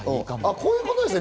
こういうことですね。